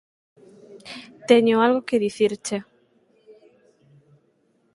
Teño algo que dicirche.